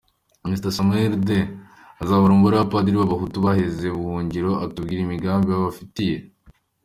Myr Smaragde azabare umubare w’abapadiri b’ababahutu baheze buhungiro, atubwire imigambi babafitiye.